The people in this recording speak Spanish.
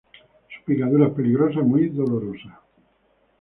Su picadura es peligrosa y muy dolorosa.